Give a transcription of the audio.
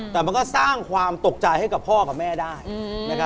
แต่มันก็สร้างความตกใจให้กับพ่อกับแม่ได้นะครับ